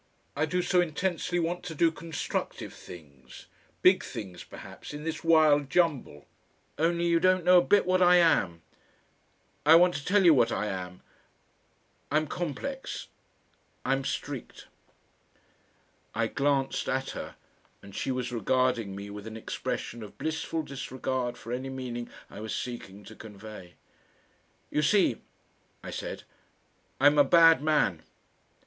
I do so intensely want to do constructive things, big things perhaps, in this wild jumble.... Only you don't know a bit what I am. I want to tell you what I am. I'm complex.... I'm streaked." I glanced at her, and she was regarding me with an expression of blissful disregard for any meaning I was seeking to convey. "You see," I said, "I'm a bad man."